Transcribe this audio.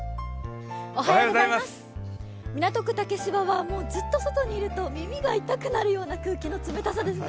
港区竹芝はずっと外にいると耳が痛くなるような空気の冷たさですね。